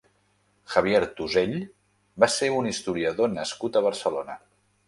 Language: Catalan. Javier Tusell va ser un historiador nascut a Barcelona.